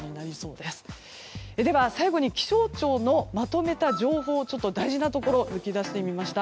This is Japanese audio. では、最後に気象庁のまとめた情報の大事なところを抜き出してみました。